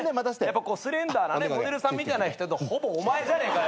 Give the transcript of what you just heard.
やっぱスレンダーなねモデルさんみたいな人ほぼお前じゃねえかよ。